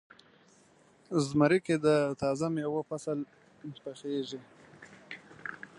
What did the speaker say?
زمری کې د تازه میوو فصل پخیږي.